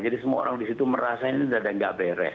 jadi semua orang di situ merasainya tidak beres